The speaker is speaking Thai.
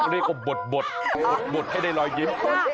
เรียกว่าบดให้ได้ลอยเย็น